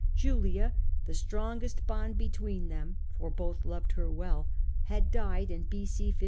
Julia, the strongest bond between them — for both loved her well — had died in B,o. 54.